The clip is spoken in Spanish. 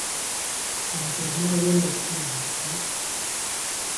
para que la mar huela distinta, ¿ no?